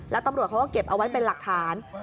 แล้วตำรวจเขาก็เก็บเอาไว้เป็นหลักฐาน